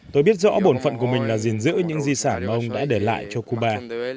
tôi biết rõ bổn phận của mình là giền giữ những di sản ông đã để lại cho cuba